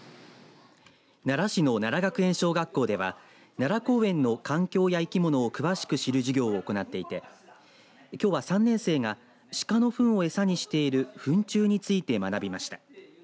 奈良市の奈良学園小学校では奈良公園の環境や生き物を詳しく知る授業を行っていてきょうは３年生が鹿のふんを餌にしているふん虫について学びました。